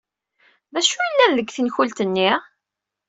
D acu yellan deg tenkult-nni?